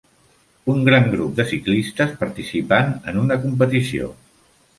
Un gran grup de ciclistes participant en una competició.